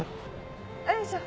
よいしょ